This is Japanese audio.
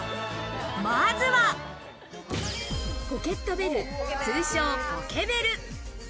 まずは、ポケッドベル、通称ポケベル。